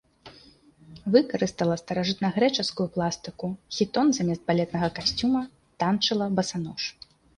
Выкарыстала старажытнагрэчаскую пластыку, хітон замест балетнага касцюма, танчыла басанож.